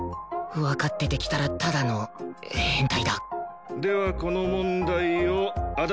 わかってて着たらただの変態だではこの問題を足立。